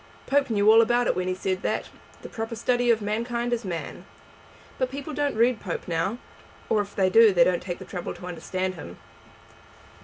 Pope knew all about it when he said that 'The proper study of mankind is man.' But people don't read Pope now, or if they do they don't take the trouble to understand him."